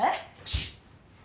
シッ！